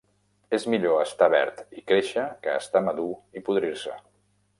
És millor estar verd i créixer que està madur i podrir-se.